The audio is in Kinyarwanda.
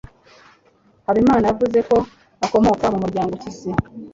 Habimana yavuze ko akomoka mu muryango ukize.